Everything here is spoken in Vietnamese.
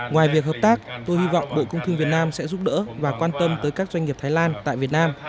ngoài việc hợp tác tôi hy vọng bộ công thương việt nam sẽ giúp đỡ và quan tâm tới các doanh nghiệp thái lan tại việt nam